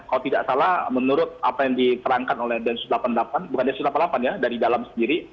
kalau tidak salah menurut apa yang diterangkan oleh densus delapan puluh delapan bukan densus delapan puluh delapan ya dari dalam sendiri